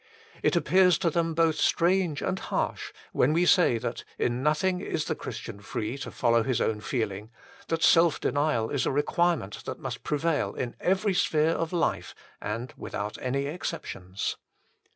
It appears to them both strange and harsh, when we say that in nothing is the Christian free to follow his own feeling, that self denial is a requirement that must prevail in every sphere of life and without any exceptions.